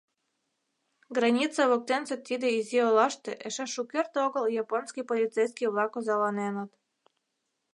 Граница воктенсе тиде изи олаште эше шукерте огыл японский полицейский-влак озаланеныт.